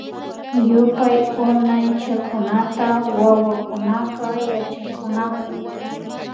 Yupay Unaychakunata wawakunaka yachakunakun